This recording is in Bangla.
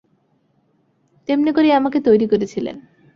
তেমনি করেই আমাকে তৈরি করেছিলেন।